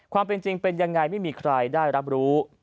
ความเป็นจริงเป็นยังไงไม่มีใครได้รับรู้